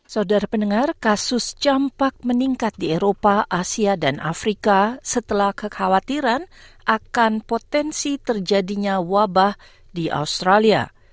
saudara pendengar kasus campak meningkat di eropa asia dan afrika setelah kekhawatiran akan potensi terjadinya wabah di australia